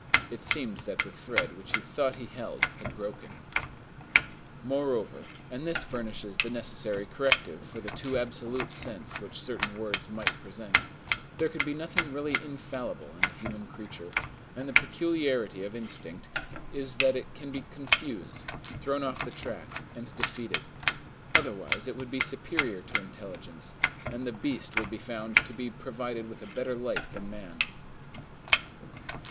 It seemed that the thread which he thought he held had broken. Moreover, and this furnishes the necessary corrective for the too absolute sense which certain words might present, there can be nothing really infallible in a human creature, and the peculiarity of instinct is that it can become confused, thrown off the track, and defeated. Otherwise, it would be superior to intelligence, and the beast would be found to be provided with a better light than man.